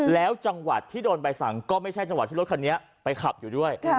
แล้วจังหวัดที่โดนใบสั่งก็ไม่ใช่จังหวะที่รถคันนี้ไปขับอยู่ด้วย